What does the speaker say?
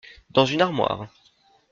Dans une armoire.